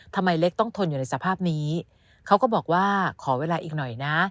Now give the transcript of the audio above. ทำไมเล็กต้องทนอยู่ในสภาพนี้เขาก็บอกว่าขอเวลาอีกหน่อยนะ